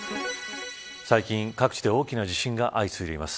最近、各地で大きな地震が相次いでいます。